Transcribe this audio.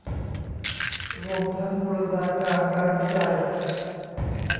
รวมทั้งบูรณาการการวิจัย